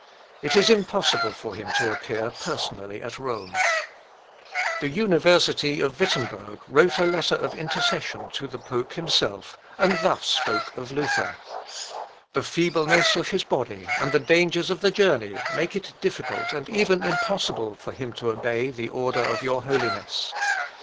It is impossible for him to appear personally at Rome." Luth. Op. (L.) xvii, p. 173. The university of Wittemberg wrote a letter of intercession to the pope himself, and thus spoke of Luther, "The feebleness of his body, and the dangers of the journey, make it difficult and even impossible for him to obey the order of your Holiness.